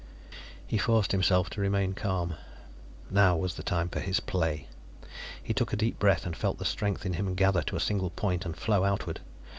He forced himself to remain calm. Now was the time for his play. He took a deep breath and felt the strength in him gather to a single point and flow outward.